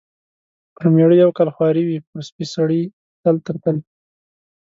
پر مېړه یو کال خواري وي ، پر سپي سړي تل تر تله .